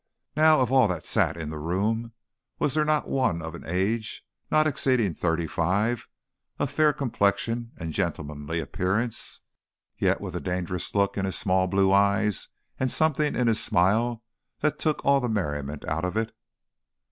Now, of all that sat in the room, was there not one of an age not exceeding thirty five, of fair complexion and gentlemanly appearance, yet with a dangerous look in his small blue eye, and a something in his smile that took all the merriment out of it?"